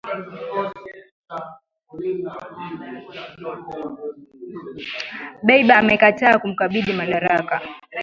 Dbeibah amekataa kumkabidhi madaraka